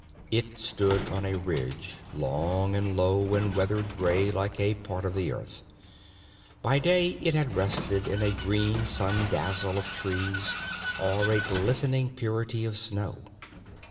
It stood on a ridge, long and low and weathered gray like a part of the earth. By day it had rested in a green sun dazzle of trees or a glistering purity of snow.